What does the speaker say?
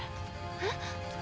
えっ？